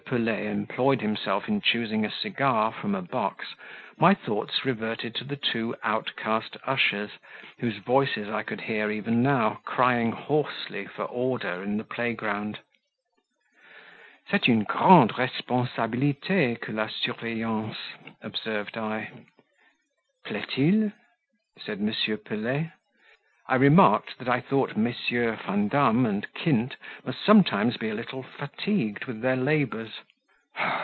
Pelet employed himself in choosing a cigar from a box, my thoughts reverted to the two outcast ushers, whose voices I could hear even now crying hoarsely for order in the playground. "C'est une grande responsabilite, que la surveillance," observed I. "Plait il?" dit M. Pelet. I remarked that I thought Messieurs Vandam and Kint must sometimes be a little fatigued with their labours.